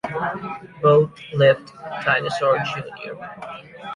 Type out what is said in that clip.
Both left Dinosaur Jr.